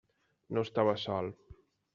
No estava sol.